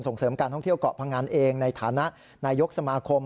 เสริมการท่องเที่ยวเกาะพงันเองในฐานะนายกสมาคม